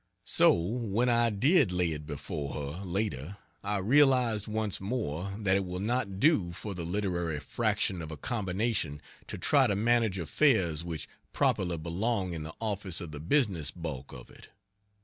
So when I did lay it before her, later, I realized once more that it will not do for the literary fraction of a combination to try to manage affairs which properly belong in the office of the business bulk of it.